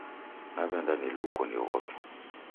Naweenda niluko nighoke.